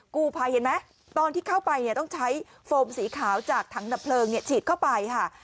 กู้ภัยเห็นไหมตอนที่เข้าไปเนี่ยต้องใช้โฟมสีขาวจากถังดับเพลิงฉีดเข้าไปค่ะ